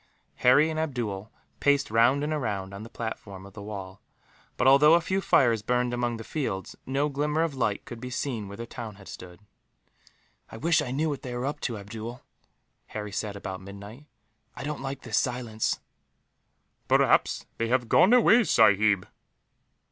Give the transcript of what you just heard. Harry and Abdool paced round and round on the platform of the wall but, although a few fires burned among the fields, no glimmer of light could be seen where the town had stood. "I wish I knew what they were up to, Abdool," Harry said, about midnight. "I don't like this silence." "Perhaps they have gone away, sahib."